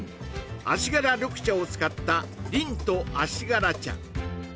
足柄緑茶を使った凛と足柄茶